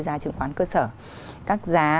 giá chứng khoán cơ sở các giá